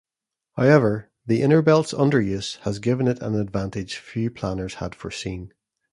However, the Innerbelt's underuse has given it an advantage few planners had foreseen.